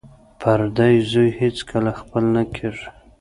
پردی زوی هېڅکله خپل نه کیږي